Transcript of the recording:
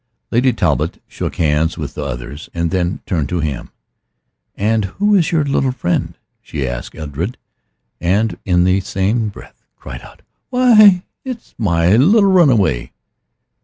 Lady Talbot shook hands with the others, and then turned to him. "And who is your little friend?" she asked Edred, and in the same breath cried out "Why, it's my little runaway!"